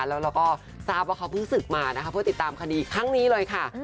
แล้วเราก็ทราบว่าเขาเพิ่งศึกมานะคะเพื่อติดตามคดีครั้งนี้เลยค่ะ